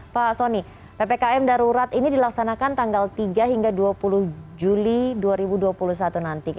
pak soni ppkm darurat ini dilaksanakan tanggal tiga hingga dua puluh juli dua ribu dua puluh satu nanti